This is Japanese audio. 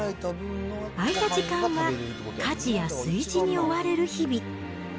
空いた時間は家事や炊事に追われる日々。